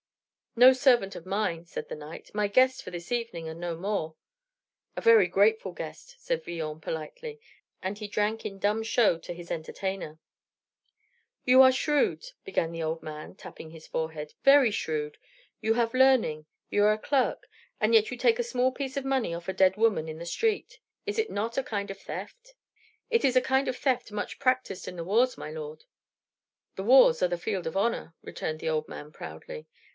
"No servant of mine," said the knight; "my guest for this evening, and no more." "A very grateful guest," said Villon, politely; and he drank in dumb show to his entertainer. "You are shrewd," began the old man, tapping his forehead, "very shrewd; you have learning; you are a clerk; and yet you take a small piece of money off a dead woman in the street. Is it not a kind of theft?" "It is a kind of theft much practised in the wars, my lord." "The wars are the field of honor," returned the old man proudly.